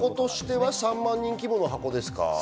３万人規模の箱ですか。